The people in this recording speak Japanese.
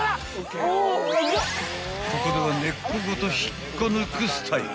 ［ここでは根っこごと引っこ抜くスタイル］